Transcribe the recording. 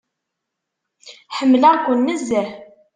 Ḥemmleɣ-ken nezzeh.